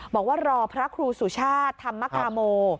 บอกว่ารอพระครูสุชาติธรรมกาโม